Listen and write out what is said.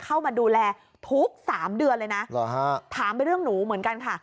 เข้ามาดูแลทุกสามเดือนเลยนะถามไปเรื่องหนูเหมือนกันค่ะ